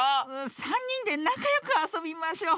３にんでなかよくあそびましょう。